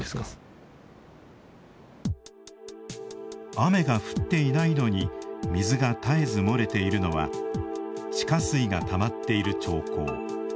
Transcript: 雨が降っていないのに水が絶えず漏れているのは地下水がたまっている兆候。